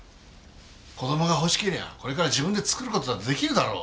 子供が欲しけりゃこれから自分で作る事だって出来るだろう。